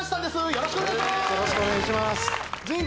よろしくお願いします